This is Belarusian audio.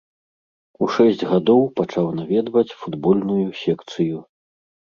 У шэсць гадоў пачаў наведваць футбольную секцыю.